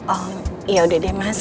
oh yaudah deh mas